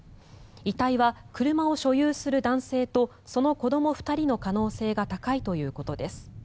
遺体は車を所有する男性とその子ども２人の可能性が高いということです。